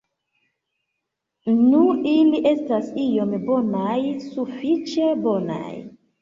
Nu, ili estas iom bonaj, sufiĉe bonaj.